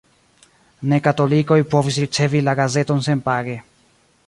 Ne-katolikoj povis ricevi la gazeton senpage.